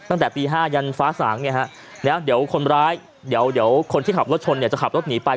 ตั้งแต่ตี๕ยันฟ้าสางเนี่ยฮะเดี๋ยวคนร้ายเดี๋ยวคนที่ขับรถชนเนี่ยจะขับรถหนีไป